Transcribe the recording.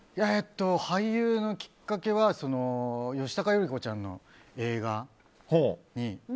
俳優のきっかけは吉高由里子ちゃんの映画に。